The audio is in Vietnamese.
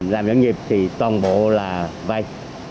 làm doanh nghiệp thì toàn bộ là vay